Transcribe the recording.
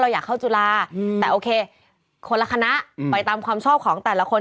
อยากเข้าจุฬาแต่โอเคคนละคณะไปตามความชอบของแต่ละคน